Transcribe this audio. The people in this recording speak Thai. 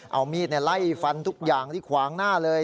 เอามีดไล่ฟันทุกอย่างที่ขวางหน้าเลย